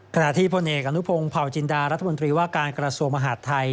ขณะที่โพเนจกรณุทภงศ์เผาจินตรารัฐมนตรีว่าการกรสวชน์มหาธาตุไทย